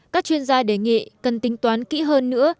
các chuyên gia đề nghị cần tính toán kỹ hơn nữa